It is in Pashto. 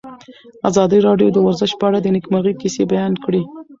ازادي راډیو د ورزش په اړه د نېکمرغۍ کیسې بیان کړې.